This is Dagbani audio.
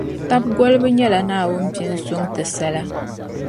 Taba golibu nyɛla Naawuni pini suŋ n-ti sala.